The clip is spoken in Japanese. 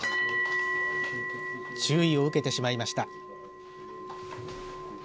注意を受けてしまいました。